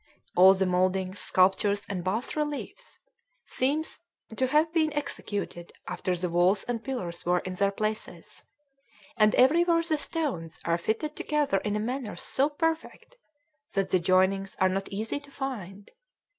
All the mouldings, sculptures, and bass reliefs seem to to have been executed after the walls and pillars were in their places; and everywhere the stones are fitted together in a manner so perfect that the joinings are not easy to find.